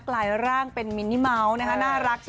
กลายร่างเป็นมินิเมาส์นะคะน่ารัก